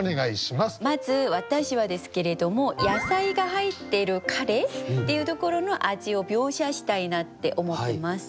まず私はですけれども野菜が入ってるカレーっていうところの味を描写したいなって思ってます。